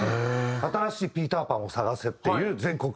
新しいピーター・パンを探せっていう全国。